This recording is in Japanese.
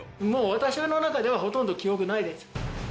私の中ではほとんど記憶ないです。